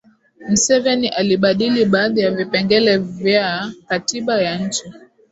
mseveni alibadili baadhi ya vipengele vya katiba ya nchi